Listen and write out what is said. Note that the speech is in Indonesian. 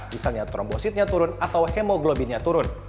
misalnya trombositnya turun atau hemoglobinnya turun